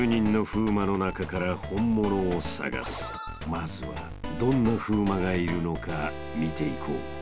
［まずはどんな風磨がいるのか見ていこう］